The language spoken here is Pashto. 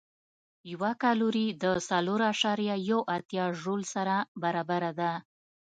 یوه کالوري د څلور اعشاریه یو اتیا ژول سره برابره ده.